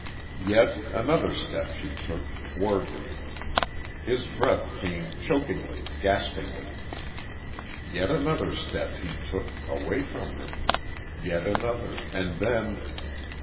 Yet, another step she took, toward him.... His breath came chokingly, gaspingly. Yet another step he took, away from her.... Yet another.... And then....